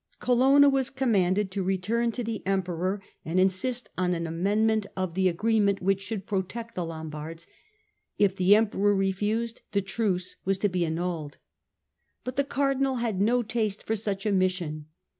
Colonna was commanded to return to the Emperor FIRE AND SWORD 181 and insist on an amendment of the agreement which should protect the Lombards : if the Emperor refused the truce was to be annulled. But the Cardinal had no taste for such a mission.